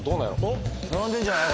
おっ並んでんじゃない？